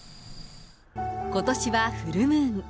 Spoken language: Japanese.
ことしはフルムーン。